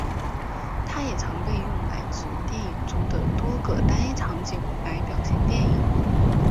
它也常被用来指电影中的多个单一场景来表现电影。